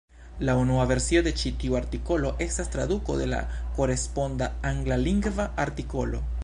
La unua versio de ĉi tiu artikolo estas traduko de la koresponda Anglalingva artikolo.